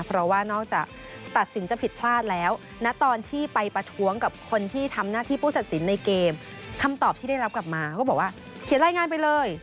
เพราะว่านอกจากตัดสินจะผิดพลาดแล้วนะตอนที่ไปประท้วงกับคนที่ทำหน้าที่ผู้ตัดสินในเกมคำตอบที่ได้รับกลับมาก็บอกว่าเขียนรายงานไปเลย